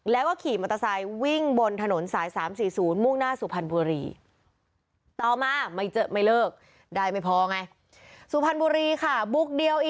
แล้วก็ขี่มอเตอร์ไซค์วิ่งบนถนนสาย๓๔๐มุ่งหน้าสุพรรณบุรี